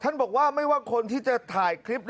บอกว่าไม่ว่าคนที่จะถ่ายคลิป